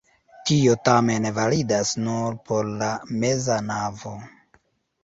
Tio tamen validas nur por la meza navo.